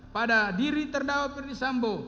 pada diri terdakwa perdisambo